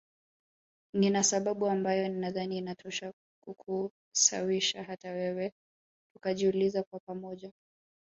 Nina sababu ambayo nadhani inatosha kukushawishi hata wewe tukajiuliza kwa pamoja